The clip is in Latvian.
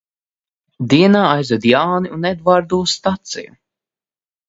Dienā aizvedu Jāni un Edvardu uz staciju.